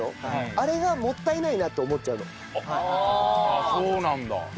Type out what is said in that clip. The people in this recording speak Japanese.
あっそうなんだ。